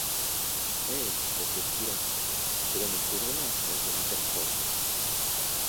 Eh! monsieur Spilett, cela ne prouve rien, répondit Pencroff.